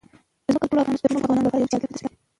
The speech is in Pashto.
ځمکه د ټولو افغان ځوانانو لپاره یوه جالبه دلچسپي لري.